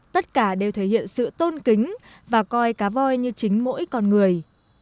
tất cả đều thể hiện sự tôn kính và coi cá voi như chính mỗi con người